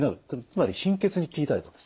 つまり貧血に効いたりですね